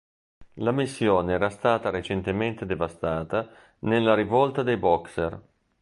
La missione era stata recentemente devastata nella rivolta dei Boxer.